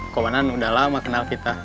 komandan udah lama kenal kita